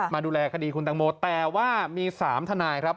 มาดูแลคดีคุณตังโมแต่ว่ามี๓ทนายครับ